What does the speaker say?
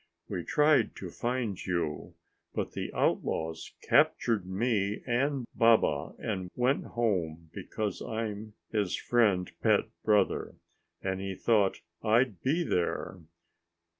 We tried to find you, but the outlaws captured me and Baba went home because I'm his friend pet brother and he thought I'd be there.